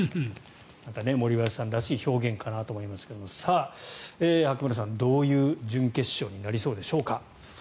また森林さんらしい表現かなと思いますが白村さんどういう準決勝になりそうでしょうか。